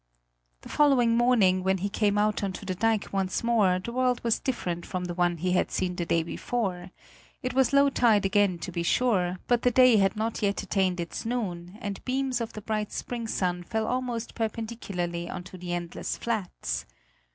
The following morning when he came out on to the dike once more the world was different from the one he had seen the day before; it was low tide again, to be sure, but the day had not yet attained its noon, and beams of the bright spring sun fell almost perpendicularly onto the endless flats.